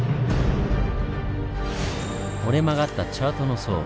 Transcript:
折れ曲がったチャートの層。